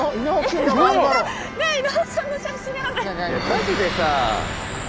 マジでさあ。